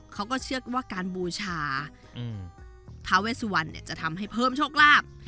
เขาก็เชื่อว่าการบูชาทาเวสวันเนี่ยจะทำให้เพิ่มโชคลาภ